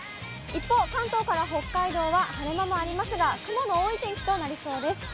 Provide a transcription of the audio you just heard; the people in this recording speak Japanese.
一方、関東から北海道は晴れ間もありますが、雲の多い天気となりそうです。